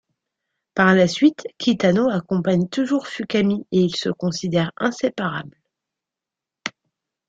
Par la suite, Kitano accompagne toujours Fukami et ils se considèrent inséparables.